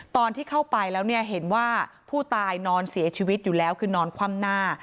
ตอนที่เข้าไปแล้วเนี่ยเห็นว่าผู้ตายนอนเสียชีวิตอยู่แล้วคือนอนคว่ำหน้า